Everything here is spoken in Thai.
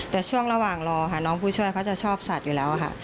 แต่ช่วงระหว่างรอค่ะน้องผู้ช่วยเขาจะชอบสัตว์อยู่แล้วค่ะ